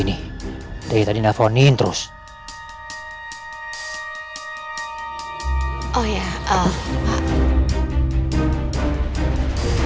pertanyaan yang terakhir